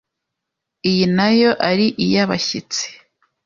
iyi na yo ari iy'abashyitsi,